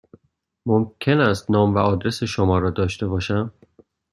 ممکن است نام و آدرس شما را داشته باشم؟